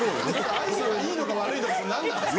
愛想がいいのか悪いのか何なんですか。